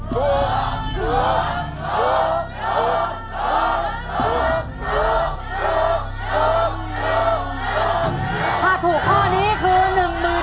ถูกถูกถูกถูกถูกถูกถูกถูกถูก